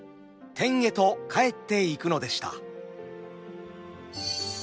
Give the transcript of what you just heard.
天へと帰っていくのでした。